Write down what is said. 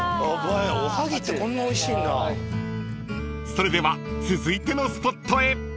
［それでは続いてのスポットへ］